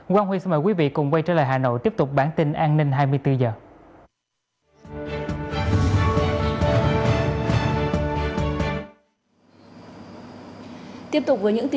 quang huy xin mời quý vị cùng quay trở lại với bộ phim này